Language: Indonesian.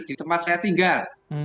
di tempat saya tinggal